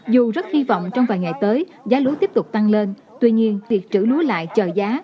dù rất hy vọng trong vài ngày tới giá lúa tiếp tục tăng lên tuy nhiên việc trữ lúa lại chờ giá